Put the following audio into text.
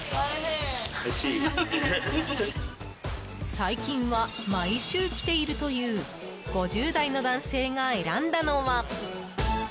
最近は毎週来ているという５０代の男性が選んだのは。